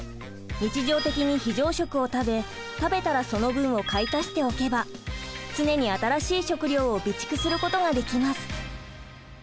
日常的に非常食を食べ食べたらその分を買い足しておけば常に新しい食料を備蓄することができます。